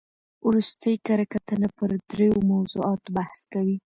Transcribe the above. ورستۍ کره کتنه پر درو موضوعاتو بحث کوي.